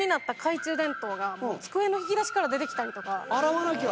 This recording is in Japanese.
洗わなきゃ。